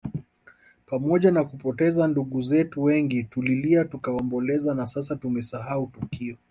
Pamoja na kupoteza ndugu zetu wengi tulilia tukaomboleza na sasa tumesahau tukio